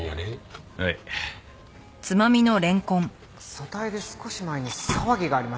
組対で少し前に騒ぎがありましたよね？